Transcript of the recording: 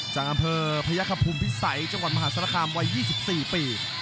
จากอำเภอพยคภูมิพิสัยจังหวัดมหาศาลคามวัย๒๔ปี